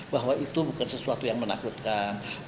bahwa itu bukan sesuatu yang menakutkan